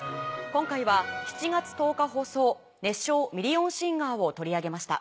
今回は７月１０日放送『熱唱！ミリオンシンガー』を取り上げました。